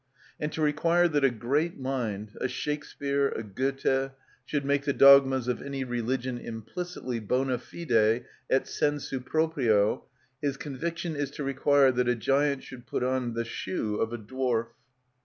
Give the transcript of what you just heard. And to require that a great mind—a Shakspeare; a Goethe—should make the dogmas of any religion implicitly, bonâ fide et sensu proprio, his conviction is to require that a giant should put on the shoe of a dwarf.